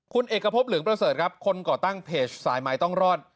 คุณเอกพบเหลืองประเสริฐครับคนก่อตั้งเพจสายไม้ต้องรอด